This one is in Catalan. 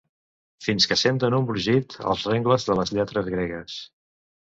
Fins que senten un brogit als rengles de les lletres gregues.